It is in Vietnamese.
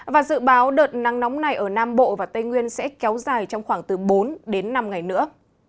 và dự báo đợt nắng nóng này ở nam bộ và tây nguyên sẽ kéo dài trong khoảng từ bốn đến năm ngày nữa